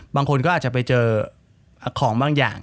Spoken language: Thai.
บางคนก็อาจจะไปเจอของบางอย่าง